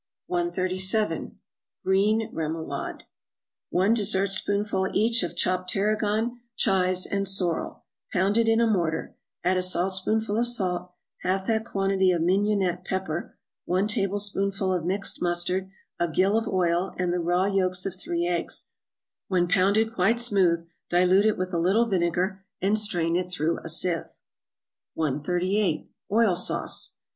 137. =Green Remolade.= One dessertspoonful each of chopped tarragon, chives, and sorrel, pounded in a mortar; add a saltspoonful of salt, half that quantity of mignonette pepper, one tablespoonful of mixed mustard, a gill of oil, and the raw yolks of three eggs; when pounded quite smooth, dilute it with a little vinegar, and strain it through a sieve. 138. =Oil Sauce.